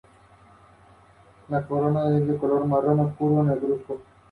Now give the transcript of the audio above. En Embarcación se asentaron bancos como Macro.